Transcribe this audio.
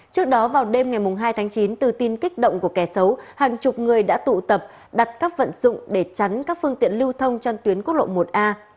trước đó vào đêm ngày hai tháng chín từ tin kích động của kẻ xấu hàng chục người đã tụ tập đặt các vận dụng để chắn các phương tiện lưu thông trên tuyến quốc lộ một a